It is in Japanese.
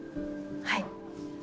はい。